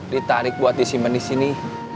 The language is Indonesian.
ditarik buat disimpan di sini